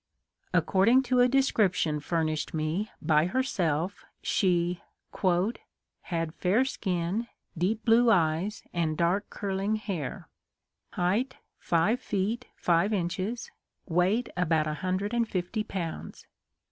According to a description furnished me by herself she " had fair skin, deep blue eyes, and dark curling hair; height five feet, five inches; weight about a hundred and fifty pounds."